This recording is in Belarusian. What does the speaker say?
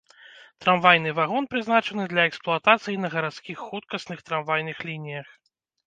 Трамвайны вагон прызначаны для эксплуатацыі на гарадскіх хуткасных трамвайных лініях.